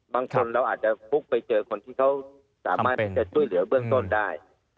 บางคนเราอาจจะพุกไปเจอคนที่เขาสามารถที่จะช่วยเหลือเบื้องต้นได้